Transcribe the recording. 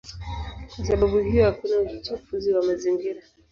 Kwa sababu hiyo hakuna uchafuzi wa mazingira.